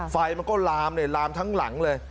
ไฟมันก็ลามเลยลามทั้งหลังเลย